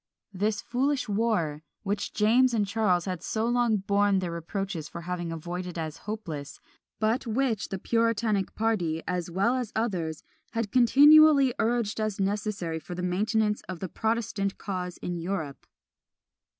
this foolish war, which James and Charles had so long borne their reproaches for having avoided as hopeless, but which the puritanic party, as well as others, had continually urged as necessary for the maintenance of the protestant cause in Europe.